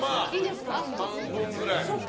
半分ぐらい。